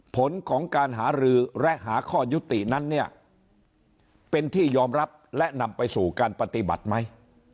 ผลของการหารือและหาข้อยุตินั้นเนี่ยเป็นที่ยอมรับและนำไปสู่การปฏิบัติไหม